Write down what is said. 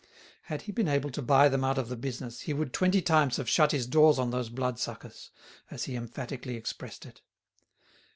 Had he been able to buy them out of the business he would twenty times have shut his doors on those bloodsuckers, as he emphatically expressed it.